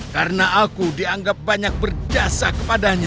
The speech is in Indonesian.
karena aku dianggap banyak berjasa kepadanya